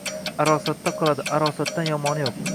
Arosatda qoladi. Arosatdan yomoni yo‘q!